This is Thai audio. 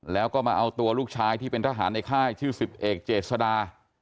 แล้วก็มาเอาตัวลูกชายที่เป็นทหารในค่ายชื่อ๑๐เอกเจษดา